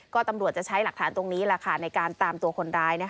ก็ตำรวจจะใช้หลักฐานตรงนี้ในการตามตัวคนร้าย